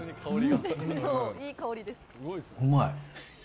うまい。